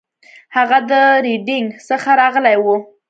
هغه له ریډینګ څخه راغلی و.